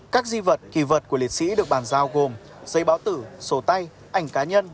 các di vật kỳ vật của liệt sĩ được bàn giao gồm giấy báo tử sổ tay ảnh cá nhân